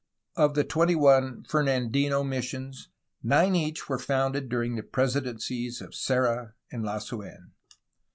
Of the twenty one Fernandino missions nine each were founded during the presidencies of Serra and Lasu^n.